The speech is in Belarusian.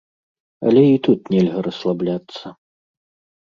Але і тут нельга расслабляцца.